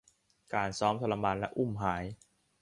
การซ้อมทรมานและอุ้มหาย